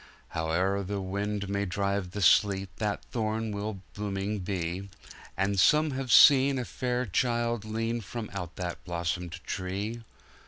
Howe'er the wind may drive the sleet, That thorn will blooming be; And some have seen a fair Child lean From out that blossomed tree!